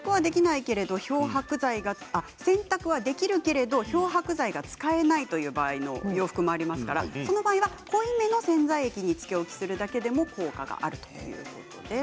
なお、洗濯はできるけれど漂白剤が使えないという場合の洋服もありますからその場合はこういう濃いめの洗剤液につけ置きするだけでも効果があるということです。